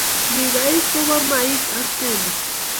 Ngikaik kopo maaik ak pendo